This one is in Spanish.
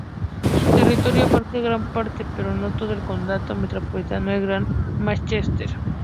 Su territorio abarca gran parte, pero no todo el condado metropolitano del Gran Mánchester.